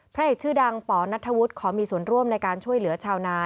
พระเอกชื่อดังปนัทธวุฒิขอมีส่วนร่วมในการช่วยเหลือชาวนา